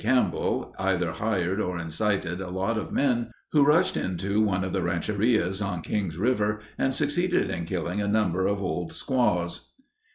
Campbell, either hired or incited a lot of men, who rushed into one of the rancherias on Kings River and succeeded in killing a number of old squaws."